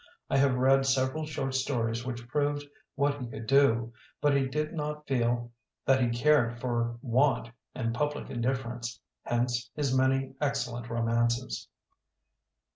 I have read several short stories which proved what he could do. But he did not feel that he cared for want and public indifference. Hence his many excellent romances."